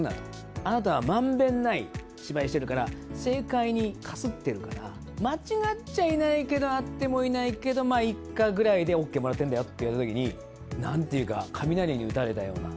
あなたはまんべんない芝居してるから、正解にかすってるから、間違っちゃいないけど、合ってもいないけど、まあいいっかぐらいでＯＫもらってるんだよって言われたときに、なんていうか、雷に打たれたような。